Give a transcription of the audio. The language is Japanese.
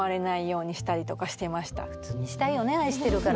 普通にしたいよね愛してるから。